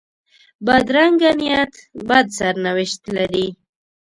بدرنګه نیت بد سرنوشت لري